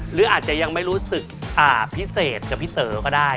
หรืออาจจะยังไม่รู้สึกพิเศษกับพี่เต๋อก็ได้